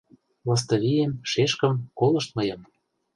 Лыстывием, шешкым, колышт мыйым.